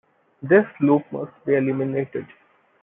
This loop must be eliminated.